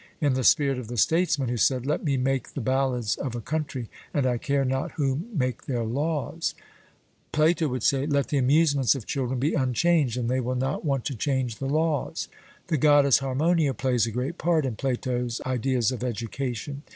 In the spirit of the statesman who said, 'Let me make the ballads of a country, and I care not who make their laws,' Plato would say, 'Let the amusements of children be unchanged, and they will not want to change the laws. The 'Goddess Harmonia' plays a great part in Plato's ideas of education.